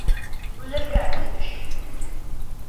Үлергә, имеш.